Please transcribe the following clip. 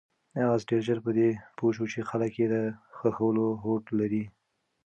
آس ډېر ژر په دې پوه شو چې خلک یې د ښخولو هوډ لري.